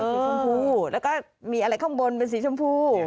สีชมพูแล้วก็มีอะไรข้างบนเป็นสีชมพู